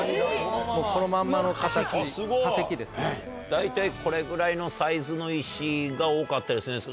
大体これぐらいのサイズの石が多かったりするんですか？